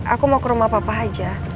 aku mau ke rumah papa aja